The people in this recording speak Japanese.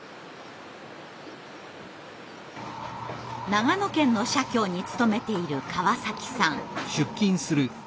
長野県の社協に勤めている川崎さん。